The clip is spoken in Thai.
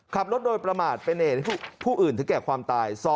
ขับรถโดยประมาทเป็นเหตุให้ผู้อื่นถึงแก่ความตาย